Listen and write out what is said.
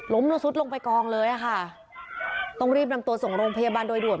แล้วซุดลงไปกองเลยอ่ะค่ะต้องรีบนำตัวส่งโรงพยาบาลโดยด่วน